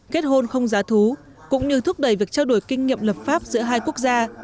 kết hôn không giá thú cũng như thúc đẩy việc trao đổi kinh nghiệm lập pháp giữa hai quốc gia